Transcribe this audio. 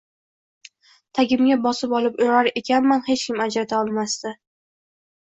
Tagimga bosib olib urar ekanman hech kim ajrata olmasdi